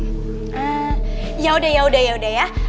hmm yaudah yaudah yaudah ya